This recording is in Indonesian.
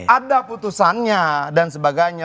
ada putusannya dan sebagainya